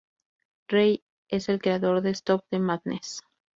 Reid es el creador de Stop the Madness.